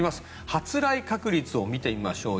発雷確率を見てみましょう。